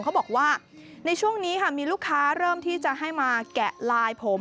เขาบอกว่าในช่วงนี้ค่ะมีลูกค้าเริ่มที่จะให้มาแกะลายผม